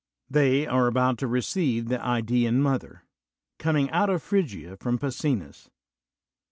They are about to receive the Idasan Mother, coming out of Phrygia from Pessinus.